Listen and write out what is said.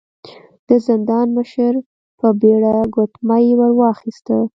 د زندان مشر په بيړه ګوتمۍ ور واخيسته.